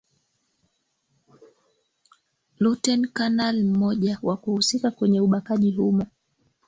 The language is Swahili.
luten kanali mmoja wakuhusika kwenye ubakaji nchini humo